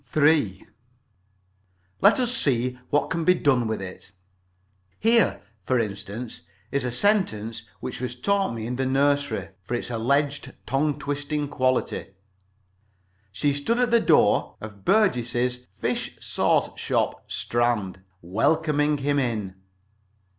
III Let us see what can be done with it. Here, for instance, is a sentence which was taught me in the nursery, for its alleged tongue twisting quality: "She stood at the door of Burgess's fish sauce shop, Strand, welcoming him in."